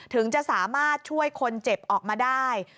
ถึงจะสามารถช่วยคนเจ็บออกมาได้